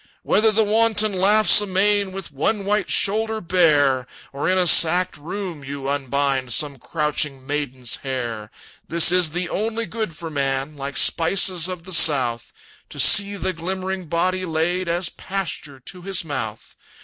"Whether the wanton laughs amain, With one white shoulder bare, Or in a sacked room you unbind Some crouching maiden's hair; "This is the only good for man, Like spices of the South To see the glimmering body laid As pasture to his mouth!